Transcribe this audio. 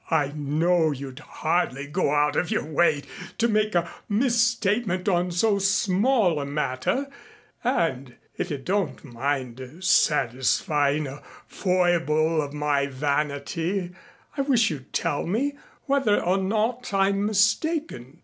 "I know you'd hardly go out of your way to make a misstatement on so small a matter, and if you don't mind satisfying a foible of my vanity, I wish you'd tell me whether or not I'm mistaken."